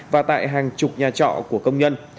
và tại hàng chục nhà trọ của công nhân